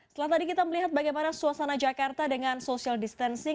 setelah tadi kita melihat bagaimana suasana jakarta dengan social distancing